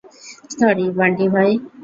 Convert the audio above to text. Sorry, বান্টি-ভাই।